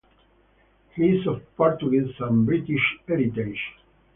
He is of Portuguese and British heritage.